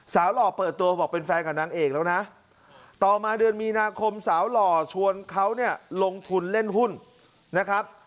หล่อเปิดตัวบอกเป็นแฟนกับนางเอกแล้วนะต่อมาเดือนมีนาคมสาวหล่อชวนเขาเนี่ยลงทุนเล่นหุ้นนะครับ